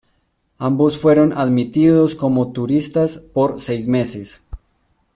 Ambos fueron admitidos como turistas por seis meses.